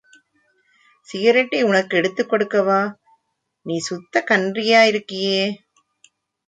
சிகரெட்டை உனக்கு எடுத்துக் கொடுக்கவா?... நீ சுத்த கண்ட்ரியாக இருக்கியே?